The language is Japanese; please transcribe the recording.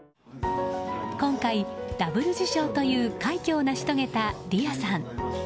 今回、ダブル受賞という快挙を成し遂げた莉愛さん。